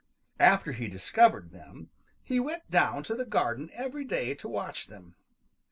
After he discovered them, he went down to the garden every day to watch them.